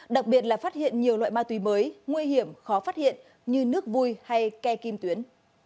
đặc biệt là phát hiện nhiều loại ma túy mới nguy hiểm khó phát hiện như nước vui hay ke kim tuyến